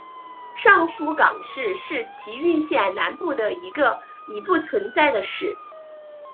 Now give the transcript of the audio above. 上福冈市是崎玉县南部的一个已不存在的市。